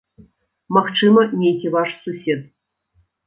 Магчыма, нейкі ваш сусед.